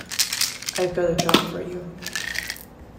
I've got a job for you.